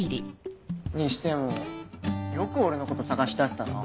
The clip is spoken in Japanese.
にしてもよく俺のこと捜し出せたな。